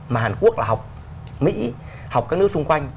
mà hàn quốc là học mỹ học các nước xung quanh